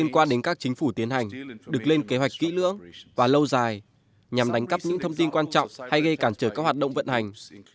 các chính phủ tiến hành được lên kế hoạch kỹ lưỡng và lâu dài nhằm đánh cắp những thông tin quan trọng hay gây cản trở các hoạt động vận hành